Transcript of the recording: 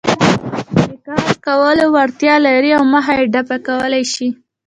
چې د کار کولو وړتیا لري او مخه يې ډب کولای شي.